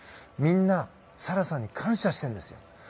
みんな、沙羅さんに感謝しているんですよ。